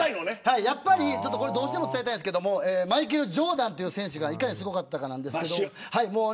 どうしても伝えたいんですけどマイケル・ジョーダンという選手がいかにすごかったか。